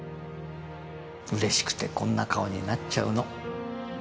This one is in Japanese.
嬉しくてこんな顔になっちゃうの